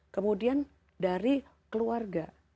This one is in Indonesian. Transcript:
kemudian dari keluarga